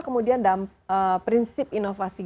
kemudian prinsip inovasi